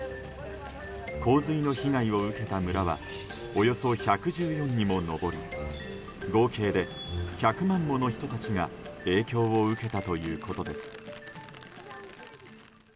洪水の被害を受けた村はおよそ１１４にも上り合計で１００万もの人たちが影響を受けたということです。